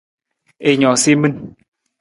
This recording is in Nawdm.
I noosa i min.